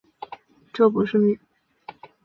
这不是民主